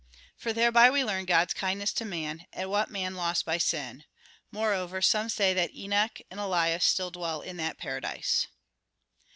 For thereby we learn God's kindness to man, and what man lost by sin. Moreover, some say that Enoch and Elias still dwell in that paradise.